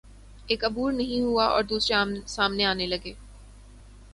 ایک عبور نہیں ہوا اور دوسرے سامنے آنے لگے۔